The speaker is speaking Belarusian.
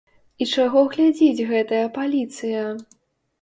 І чаго глядзіць гэтая паліцыя!